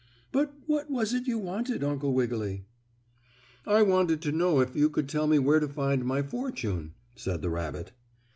But what was it you wanted, Uncle Wiggily?" "I wanted to know if you could tell me where to find my fortune," said the rabbit.